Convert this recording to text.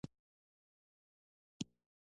دا يو انسان ديه.